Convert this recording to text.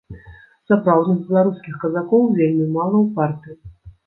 Сапраўдных беларускіх казакоў вельмі мала ў партыі.